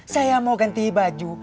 saya mau ganti baju